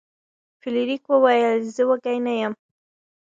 فلیریک وویل چې زه وږی نه یم.